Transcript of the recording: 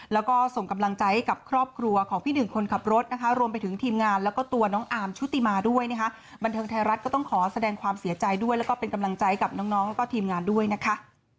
แล้วก็ส่งกำลังใจให้กับครอบครัวของพี่หนึ่งคนขับรถนะคะรวมไปถึงทีมงานแล้วก็ตัวน้องอาร์มชุติมาด้วยนะคะบันเทิงไทยรัฐก็ต้องขอแสดงความเสียใจด้วยแล้วก็เป็นกำลังใจกับน้องแล้วก็ทีมงานด้วยนะคะ